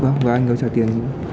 vâng và anh hiếu trả tiền như thế nào